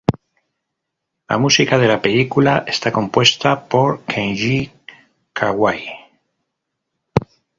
La música de la película está compuesta por Kenji Kawai.